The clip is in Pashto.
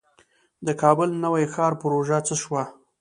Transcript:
د کابل نوی ښار پروژه څه شوه؟